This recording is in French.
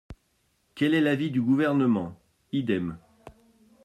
Quel est l’avis du Gouvernement ? Idem.